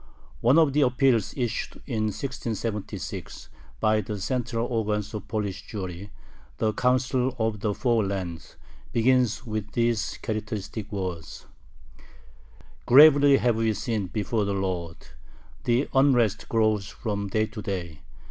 One of the appeals issued in 1676 by the central organ of Polish Jewry, the "Council of the Four Lands," begins with these characteristic words: Gravely have we sinned before the Lord. The unrest grows from day to day.